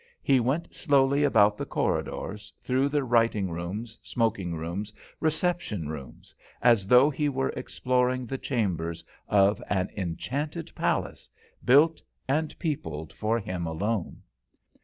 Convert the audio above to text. He went slowly about the corridors, through the writing rooms, smoking rooms, reception rooms, as though he were exploring the chambers of an enchanted palace, built and peopled for him alone.